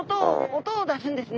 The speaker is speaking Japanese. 音を出すんですね。